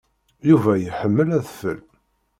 Yuba iḥemmel adfel.